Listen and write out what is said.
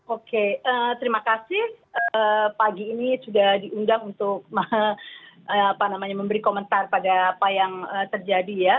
oke terima kasih pagi ini sudah diundang untuk memberi komentar pada apa yang terjadi ya